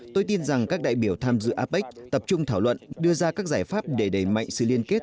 tôi tin rằng các đại biểu tham dự apec tập trung thảo luận đưa ra các giải pháp để đẩy mạnh sự liên kết